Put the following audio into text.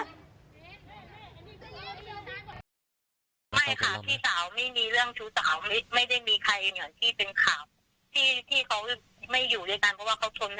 ไม่ค่ะพี่สาวไม่มีเรื่องชู้สาวไม่ได้มีใครอย่างที่เป็นข่าว